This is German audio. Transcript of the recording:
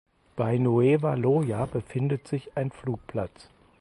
Bei Nueva Loja befindet sich ein Flugplatz.